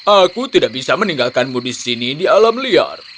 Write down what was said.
aku tidak bisa meninggalkanmu di sini di alam liar